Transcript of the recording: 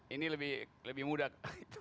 ini lebih mudah